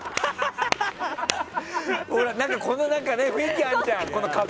この雰囲気あるじゃん。